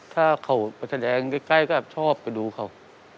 ถ้าเขาไปแสดงใกล้ก็ชอบไปดูเขา